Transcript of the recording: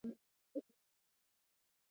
د مقالو شمیر د ټولنې د غړو لخوا ټاکل کیږي.